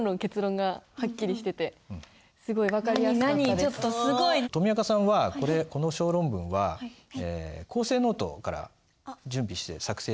ちょっとすごい。とみあかさんはこれこの小論文は構成ノートから準備して作成して書きましたか？